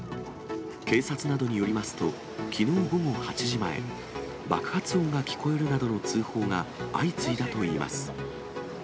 警察などによりますと、きのう午後８時前、爆発音が聞こえるなどの通報が相次いだといいます。